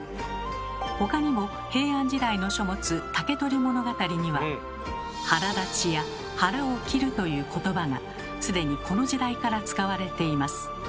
ほかにも平安時代の書物「竹取物語」には「腹立ち」や「腹を切る」ということばがすでにこの時代から使われています。